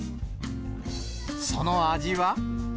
その味は。